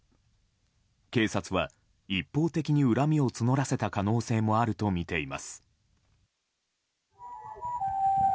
警察は、一方的に恨みを募らせた可能性もあるとみています。